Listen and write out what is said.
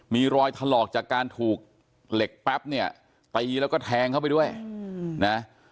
มีรอยถลอกจากการถูกเหล็กแป๊บเนี่ยตีแล้วก็แทงเข้าไปด้วยนะ